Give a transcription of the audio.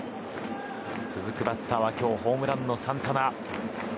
続くバッターは今日ホームランのサンタナ。